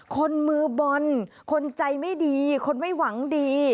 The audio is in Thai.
คนมือบอลคนใจไม่ดีคนไม่หวังดี